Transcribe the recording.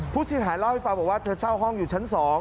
ผู้เสียหายเล่าให้ฟังบอกว่าเธอเช่าห้องอยู่ชั้น๒